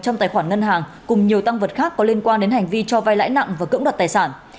trong tài khoản ngân hàng cùng nhiều tăng vật khác có liên quan đến hành vi cho vai lãi nặng và cưỡng đoạt tài sản